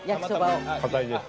かたいです。